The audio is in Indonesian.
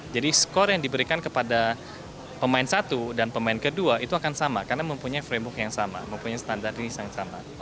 jadi skor yang diberikan kepada pemain satu dan pemain kedua itu akan sama karena mempunyai framework yang sama mempunyai standard yang sama